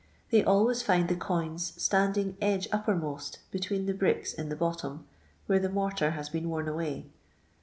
They always find the coins standing edge upper most between the bricks in the bottom, where the mortar has been worn away.